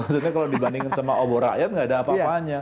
maksudnya kalau dibandingin sama obor rakyat nggak ada apa apanya